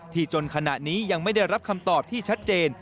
จนขณะนี้ยังไม่ได้รับคำตอบที่ชัดเจน